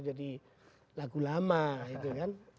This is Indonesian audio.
jadi lagu lama itu kan